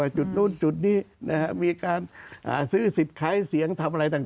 จุดนู้นจุดนี้มีการซื้อสิทธิ์ขายเสียงทำอะไรต่าง